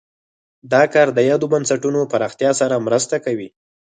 دا کار د یادو بنسټونو پراختیا سره مرسته کوي.